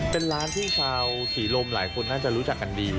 เป็นร้านที่ชาวศรีลมหลายคนน่าจะรู้จักกันดี